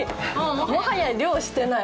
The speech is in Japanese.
もはや漁してない。